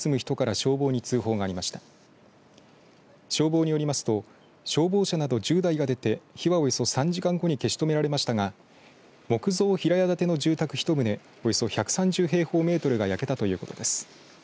消防によりますと消防車など１０台が出て火はおよそ３時間後に消し止められましたが木造平屋建ての住宅１棟およそ１３０平方メートルが焼けたということです。